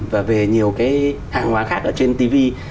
và về nhiều cái hàng hóa khác ở trên tv